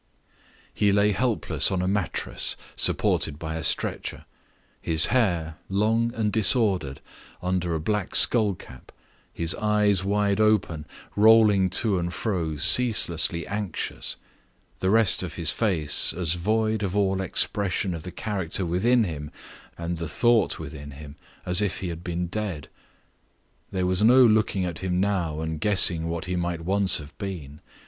He lay helpless on a mattress, supported by a stretcher; his hair, long and disordered, under a black skull cap; his eyes wide open, rolling to and fro ceaselessly anxious; the rest of his face as void of all expression of the character within him, and the thought within him, as if he had been dead. There was no looking at him now, and guessing what he might once have been.